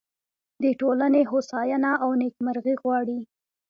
د ټولنې هوساینه او نیکمرغي غواړي.